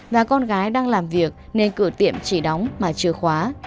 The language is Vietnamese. và con gái đang làm việc nên cửa tiệm chỉ đóng mà chìa khóa